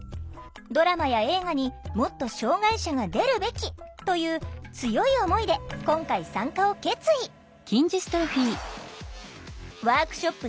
ドラマや映画にもっと障害者が出るべきという強い思いで今回参加を決意ワークショップ